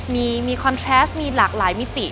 มีคอนแชทมีหลากหลายมิติ